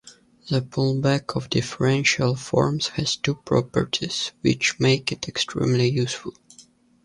The pullback of differential forms has two properties which make it extremely useful.